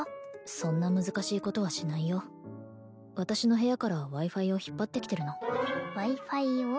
そんな難しいことはしないよ私の部屋からＷｉ−Ｆｉを引っ張ってきてるのワイファイを？